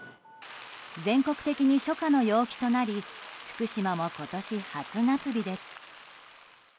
全国的に初夏の陽気となり福島も今年初夏日です。